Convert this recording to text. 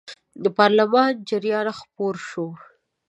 د پارلمان جریان خپور شو.